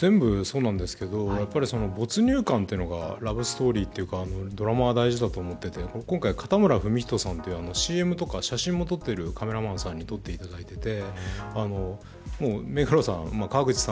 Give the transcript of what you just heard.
全部そうなんですけど没入感というのがラブストーリーというかドラマは大事だと思っていて今回ＣＭや写真を撮っているカメラマンさんに撮っていただいて目黒さん、川口さん